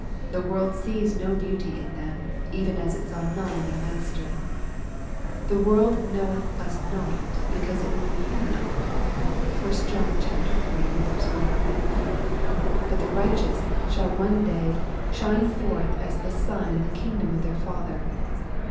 The world sees no beauty in them, even as it saw none in their Master. ^' The world knoweth us not, because it knew him not." (1 John iii. 1.) But the righteous shall one day ^^ shine forth as the sun in the kingdom of their Father."